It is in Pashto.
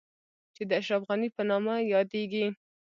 چې د اشرف غني په نامه يادېږي.